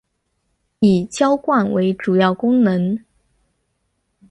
以灌溉为主要功能。